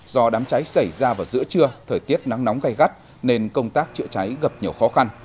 do đám cháy xảy ra vào giữa trưa thời tiết nắng nóng gây gắt nên công tác chữa cháy gặp nhiều khó khăn